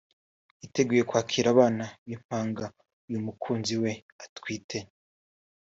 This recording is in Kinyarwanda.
yiteguye kwakira abana b’impanga uyu mukunzi we atwite